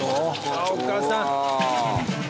ああお母さん！